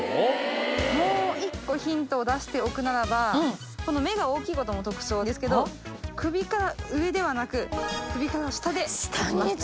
もう１個ヒントを出しておくならば目が大きいことも特徴ですけど首から上ではなく首から下でできますね。